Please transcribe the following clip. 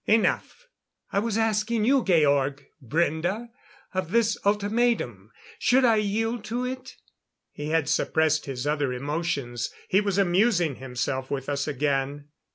Enough!... I was asking you, Georg Brende, of this ultimatum. Should I yield to it?" He had suppressed his other emotions; he was amusing himself with us again.